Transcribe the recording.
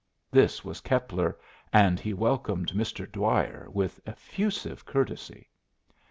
This was Keppler, and he welcomed Mr. Dwyer with effusive courtesy.